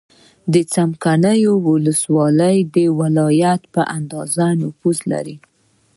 څمکنیو ولسوالۍ د ولایت په اندازه نفوس لري.